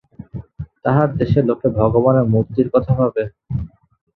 তাঁহার দেশে লোকে ভগবানের মূর্তির কথা ভাবে।